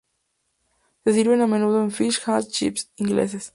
Se sirven a menudo en "fish and chips" ingleses.